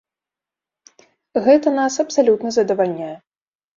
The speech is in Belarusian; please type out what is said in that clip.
Гэта нас абсалютна задавальняе.